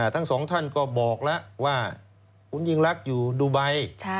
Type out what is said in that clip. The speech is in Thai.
ทั้งสองท่านก็บอกแล้วว่าคุณยิ่งรักอยู่ดูไบ